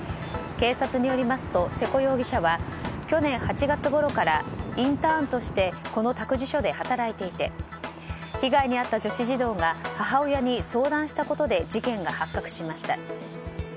警察によりますと、瀬古容疑者は去年８月ごろからインターンとしてこの託児所で働いていて被害に遭った女子児童が母親に相談したことで事件が発覚しました。